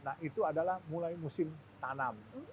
nah itu adalah mulai musim tanam